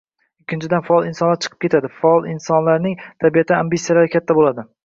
Ikkinchidan, faol insonlar chiqib ketadi, zero faol insonlarning tabiatan ambitsiyalari katta bo‘ladi